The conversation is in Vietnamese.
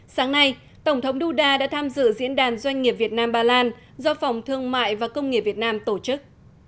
sáng nay tổng thống duda đã tham dự diễn đàn doanh nghiệp việt nam ba lan do phòng thương mại và công nghiệp việt nam tổ chức